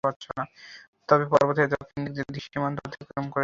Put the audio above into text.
তবে পর্বতের দক্ষিণ দিক দিয়েও সীমান্ত অতিক্রম করেছে।